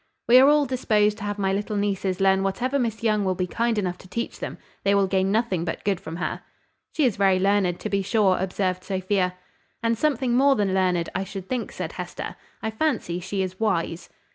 "We are all disposed to have my little nieces learn whatever Miss Young will be kind enough to teach them; they will gain nothing but good from her." "She is very learned, to be sure," observed Sophia. "And something more than learned, I should think," said Hester; "I fancy she is wise."